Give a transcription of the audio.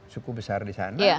suku besar di sana